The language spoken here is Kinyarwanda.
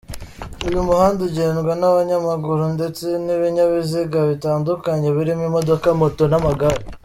Uyu muhanda ugendwa n’abanyamaguru ndetse n’ibinyabiziga bitandukanye birimo imodoka, moto n’amagare.